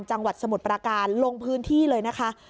จังหวัดสมุทรปราการลงพื้นที่เลยนะคะ